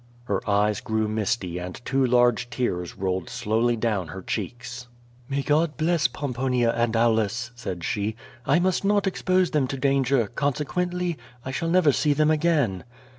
Her eyes grew misty and two large tears rolled slowly down her cheeks. ^^May God bless Pomponia and Aulus," said she. ^^I must not expose them to danger, consequently I shall never see them again.''